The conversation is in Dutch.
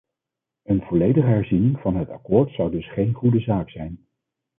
Een volledige herziening van het akkoord zou dus geen goede zaak zijn.